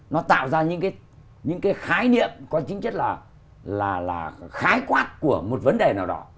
nó tạo ra những cái khái niệm có chính chất là khái quát của một vấn đề nào đó